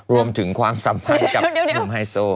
รวมถึงความสัมพันธ์กับหนุ่มไฮโซ